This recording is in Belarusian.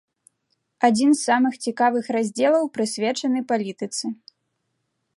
Адзін з самых цікавых раздзелаў прысвечаны палітыцы.